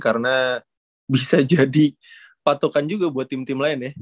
karena bisa jadi patokan juga buat tim tim lain ya